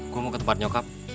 gue mau ke tempat nyokap